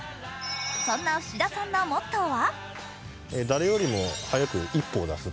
そんな伏田さんのモットーとは？